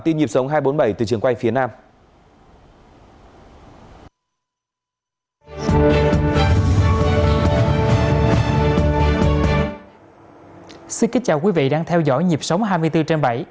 xin kính chào quý vị đang theo dõi nhịp sống hai mươi bốn trên bảy